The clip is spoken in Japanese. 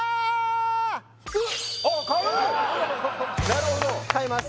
なるほど買います